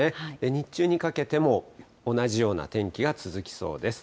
日中にかけても、同じような天気が続きそうです。